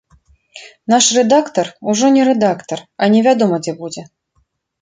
Наш рэдактар ужо не рэдактар, а невядома дзе будзе.